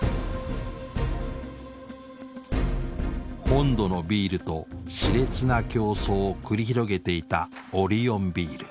本土のビールとしれつな競争を繰り広げていたオリオンビール。